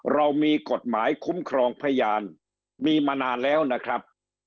เรามีกฎหมายคุ้มครองพยานมีมานานแล้วนะครับ